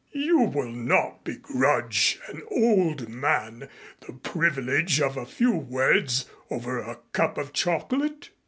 You will not begrudge an old man the privilege of a few words over a cup of chocolate?"